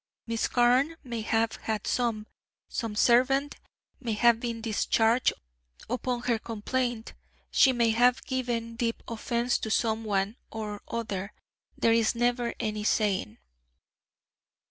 Miss Carne may have had some; some servant may have been discharged upon her complaint, she may have given deep offence to some one or other. There is never any saying."